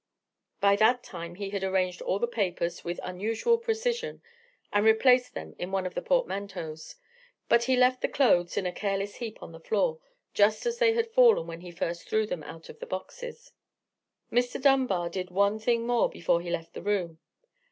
By that time he had arranged all the papers with unusual precision, and replaced them in one of the portmanteaus: but he left the clothes in a careless heap upon the floor, just as they had fallen when he first threw them out of the boxes. Mr. Dunbar did one thing more before he left the room.